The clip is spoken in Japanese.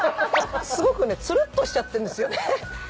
すごくねつるっとしちゃってんですよね。